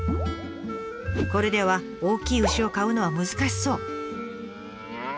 これでは大きい牛を飼うのは難しそう。